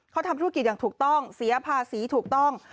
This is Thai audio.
เขาทำธุรกิจอย่างถูกต้องเสียภาษีถูกต้อง